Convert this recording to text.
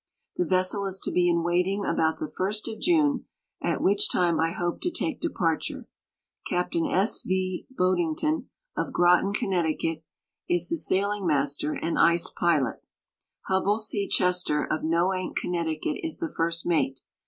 The vessel is to be in waiting about the 1st of June, at which time I hope to take departure. Capt. S. V. Budington, of Groton, Conn., is the sailing master and ice pilot ; Hubbel C. Chester, of Noank, Conn., is the first mate.